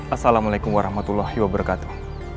assalamualaikum warahmatullahi wabarakatuh